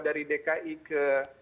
dari dki ke